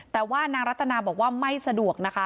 แต่ว่านางรัตนาบอกว่าไม่สะดวกนะคะ